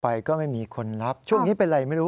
ก็ไม่มีคนรับช่วงนี้เป็นอะไรไม่รู้